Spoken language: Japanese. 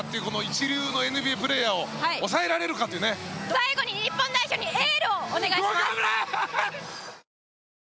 最後に日本代表にエールをお願いします。